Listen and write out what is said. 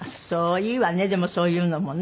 いいわねでもそういうのもね。